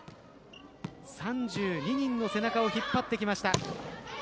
３２人の背中を引っ張ってきました。